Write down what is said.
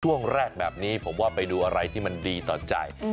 ช่วงแรกแบบนี้ผมว่าไปดูอะไรที่มันดีต่อใจ